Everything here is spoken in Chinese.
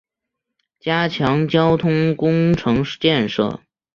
加强交通工程建设